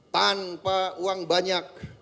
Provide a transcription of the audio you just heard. tanpa uang banyak